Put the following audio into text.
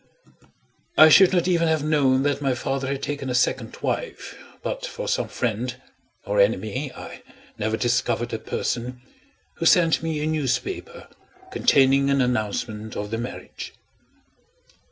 I should not even have known that my father had taken a second wife but for some friend (or enemy) I never discovered the person who sent me a newspaper containing an announcement of the marriage.